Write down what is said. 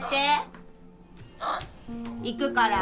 行くから。